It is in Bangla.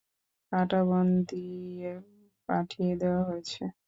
কাঁটাবন দিয়ে পাঠিয়ে দেওয়া হয়েছে।